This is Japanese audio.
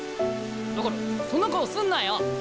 だからそんな顔すんなよ！